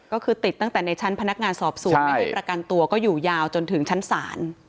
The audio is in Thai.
ก็คือติดตั้งแต่ในชั้นพนักงานสอบสวนไม่ให้ประกันตัวก็อยู่ยาวจนถึงชั้นศาล